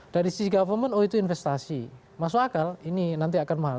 dari sisi government oh itu investasi masuk akal ini nanti akan mahal